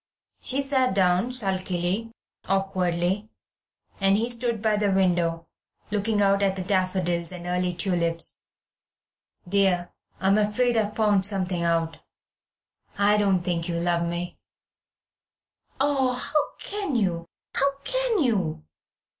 She sat down sulkily, awkwardly, and he stood by the window, looking out at the daffodils and early tulips. "Dear, I am afraid I have found something out. I don't think you love me " "Oh, how can you, how can you?"